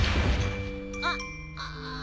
あっ。